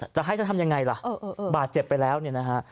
จะให้จะทำยังไงล่ะบาดเจ็บไปแล้วเนี่ยนะฮะ